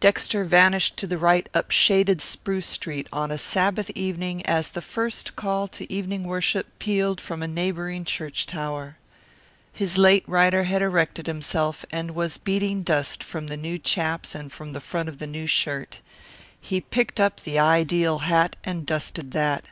Dexter vanished to the right up shaded Spruce Street on a Sabbath evening as the first call to evening worship pealed from a neighbouring church tower. His late rider had erected himself and was beating dust from the new chaps and the front of the new shirt. He picked up the ideal hat and dusted that.